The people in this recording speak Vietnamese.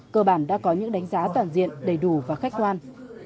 cơ bản đã có những đánh giá toàn diện đầy đủ và khách quan